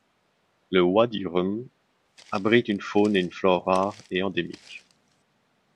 Le Wadi Rum abrite une faune et une flore rare et endémique.